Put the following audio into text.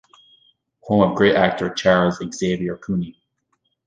Home of great actor Charles Exavior Cooney.